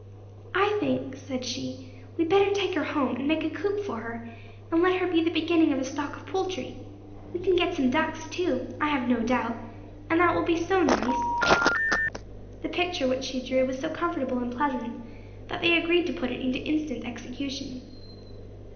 "I think," said she, "we had better take her home, and make a coop for her, and let her be the beginning of a stock of poultry. We can get some ducks, too, I have no doubt, and that will be so nice." The picture which she drew was so comfortable and pleasant, that they agreed to put it into instant execution.